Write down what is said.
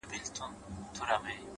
ستا سترگو كي بيا مرۍ، مرۍ اوښـكي،